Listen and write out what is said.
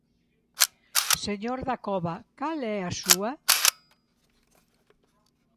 Señor Dacova, ¿cal é a súa?